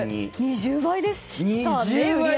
２０倍でしたね。